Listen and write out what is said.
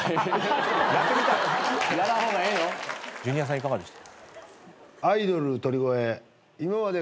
ジュニアさんいかがでした？